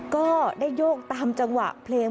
ก็ได้โยกตามจังหวะเพลง